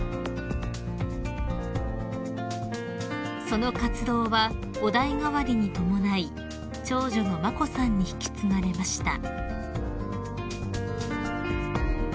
［その活動はお代替わりに伴い長女の眞子さんに引き継がれました］